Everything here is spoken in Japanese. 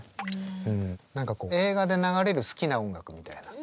うん何か映画で流れる好きな音楽みたいな。